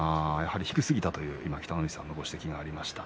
低すぎたという北の富士さんのご指摘がありました。